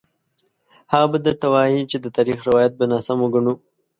هغه به درته ووايي چې د تاریخ روایت به ناسم وګڼو.